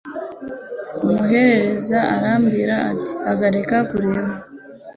umuherekeza arambwira ati Hagarika kureba